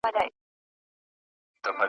هېره سوې د زاړه قبر جنډۍ یم .